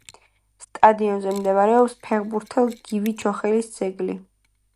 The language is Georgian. სტადიონზე მდებარეობს ფეხბურთელ გივი ჩოხელის ძეგლი.